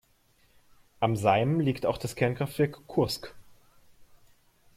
Am Seim liegt auch das Kernkraftwerk Kursk.